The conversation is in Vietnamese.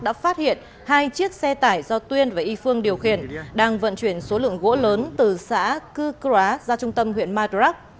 đã phát hiện hai chiếc xe tải do tuyên và y phương điều khiển đang vận chuyển số lượng gỗ lớn từ xã cư cã ra trung tâm huyện madrak